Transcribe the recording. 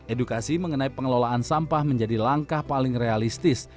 edukasi mengenai pengelolaan sampah menjadi langkah paling realistis